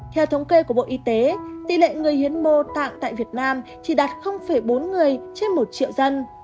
theo thống kê của bộ y tế tỷ lệ người hiến mô tạng tại việt nam chỉ đạt bốn người trên một triệu dân